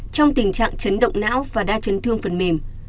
trong tình trạng chấn động não và đa chấn thương phần mềm